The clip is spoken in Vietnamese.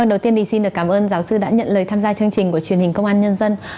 đầu tiên thì xin được cảm ơn giáo sư đã nhận lời tham gia chương trình của truyền hình công an nhân dân